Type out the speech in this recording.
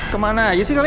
kemana aja sih kalian